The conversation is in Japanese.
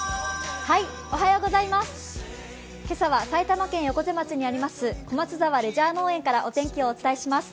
今朝は埼玉県横瀬町にあります小松沢レジャー農園からお天気をお伝えします。